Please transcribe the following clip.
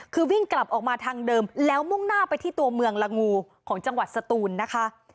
คือวิ่งกลับออกมาทางเดิมแล้วมุ่งหน้าไปที่ตัวเมืองละงูของจังหวัดสตูนนะคะ